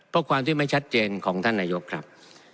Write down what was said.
เพราะความที่ไม่ชัดเจนของท่านนายกครับ